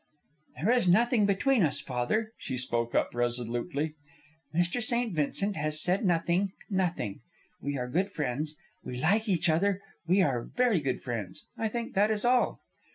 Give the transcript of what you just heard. "There is nothing between us, father," she spoke up resolutely. "Mr. St. Vincent has said nothing, nothing. We are good friends, we like each other, we are very good friends. I think that is all."